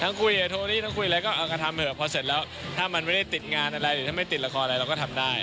คุยกับโทนี่ทั้งคุยอะไรก็เอากันทำเถอะพอเสร็จแล้วถ้ามันไม่ได้ติดงานอะไรหรือถ้าไม่ติดละครอะไรเราก็ทำได้